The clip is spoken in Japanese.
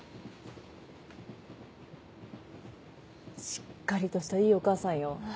しっかりとしたいいお母さんよ。